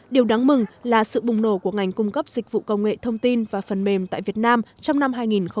điều đáng mừng là sự bùng nổ của ngành cung cấp dịch vụ công nghệ thông tin và phần mềm tại việt nam trong năm hai nghìn hai mươi